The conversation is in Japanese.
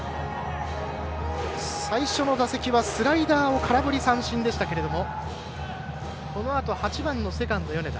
最初の打席はスライダーを空振り三振でしたけれどもこのあと、８番のセカンド米田。